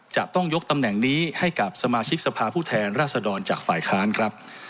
จะต้องยกตำแหน่งนี้ให้กับสมาชิกสภาพผู้แทนราษฎรจากฝ่ายค้านครับ